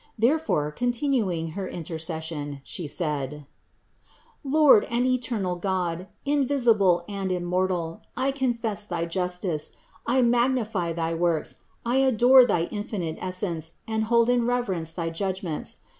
Therefore, continuing her intercession, She said : 53. "Lord and eternal God, invisible and immortal, I confess thy justice, I magnify thy works, I adore thy infinite Essence and hold in reverence thy judgments.